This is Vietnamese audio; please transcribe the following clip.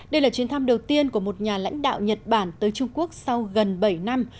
đây là chuyến thăm đầu tiên của một nhà lãnh đạo nhật bản tới trung quốc sau gần bảy năm